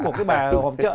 của cái bà họp chợ